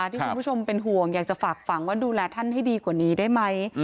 ที่คุณผู้ชมเป็นห่วงอยากจะฝากฝังว่าดูแลท่านให้ดีกว่านี้ได้ไหม